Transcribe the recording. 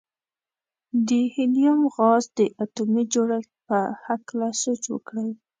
د هیلیم غاز د اتومي جوړښت په هکله سوچ وکړئ.